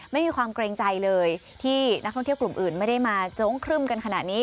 ไม่มีความเกรงใจเลยที่นักท่องเที่ยวกลุ่มอื่นไม่ได้มาโจ๊งครึ่มกันขนาดนี้